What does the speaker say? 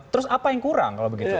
terus apa yang kurang kalau begitu